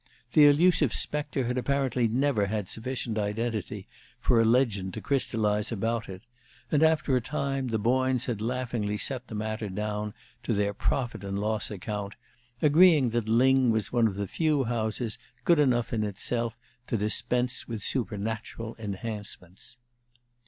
The elusive specter had apparently never had sufficient identity for a legend to crystallize about it, and after a time the Boynes had laughingly set the matter down to their profit and loss account, agreeing that Lyng was one of the few houses good enough in itself to dispense with supernatural enhancements.